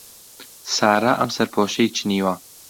سارا ئەم سەرپۆشەی چنیوە.